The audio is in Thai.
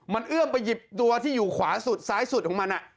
มันเอื้อมไปหยิบตัวที่อยู่ขวาสุดซ้ายสุดของมัน